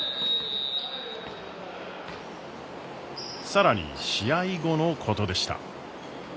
更に試合後のことでした。